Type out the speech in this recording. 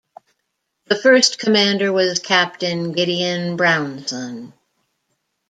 The first commander was Captain Gideon Brownson.